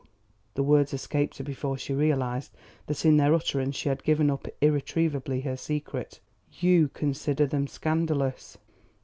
The words escaped her before she realised that in their utterance she had given up irretrievably her secret. "You consider them scandalous?"